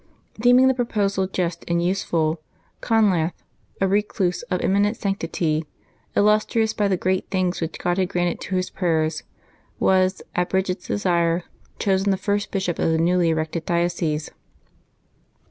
Febbuaby 1] LIVES OF THE SAINTS 57 Deeming the proposal Just and useful, Conlath, a recluse of eminent sanctity, illustrious by the great things which God had granted to his prayers, was, at Bridgid's desire, chosen the first bishop of the newly erected diocese.